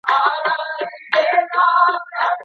د دوی د بيلېدو څو سببونه سته.